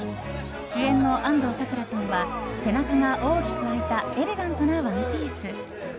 主演の安藤サクラさんは背中が大きく開いたエレガントなワンピース。